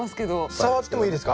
触ってもいいですか？